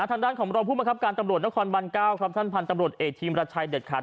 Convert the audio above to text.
ท่านด้านของเราพูดมาครับการตำรวจนครปราณ์ก้าวท่านผันตำรวจเอกทีมรัชชัยเดทครัฐ